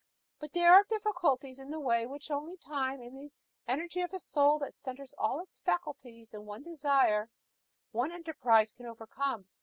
But there are difficulties in the way which only time, and the energy of a soul that centers all its faculties in one desire, one enterprise, can overcome.